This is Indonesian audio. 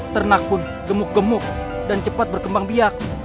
ternak pun gemuk gemuk dan cepat berkembang biak